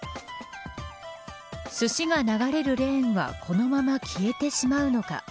すしが流れるレーンはこのまま消えてしまうのか。